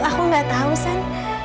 aku gak tau san